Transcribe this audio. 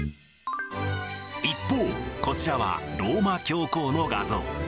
一方、こちらはローマ教皇の画像。